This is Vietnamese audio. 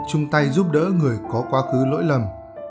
chung tay giúp đỡ người có quá khứ lỗi lầm